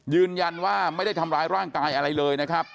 ยืนยันว่าไม่ได้ทำร้ายร่างกายอะไรเลยนะครับ